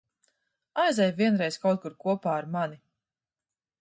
Aizej vienreiz kaut kur kopā ar mani.